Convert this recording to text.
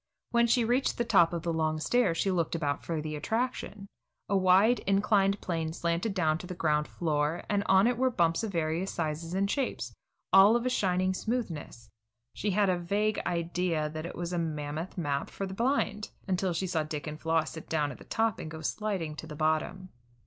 When she reached the top of the long stairs, she looked about for the attraction. A wide inclined plane slanted down to the ground floor, and on it were bumps of various sizes and shapes, all of a shining smoothness. She had a vague idea that it was a mammoth map for the blind, until she saw Dick and Floss sit down at the top and go sliding to the bottom.